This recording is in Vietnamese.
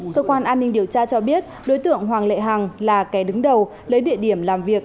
cơ quan an ninh điều tra cho biết đối tượng hoàng lệ hằng là kẻ đứng đầu lấy địa điểm làm việc